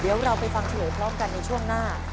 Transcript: เดี๋ยวเราไปฟังเฉลยพร้อมกันในช่วงหน้า